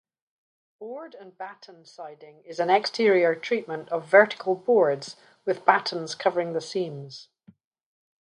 "Board-and-batten" siding is an exterior treatment of vertical boards with battens covering the seams.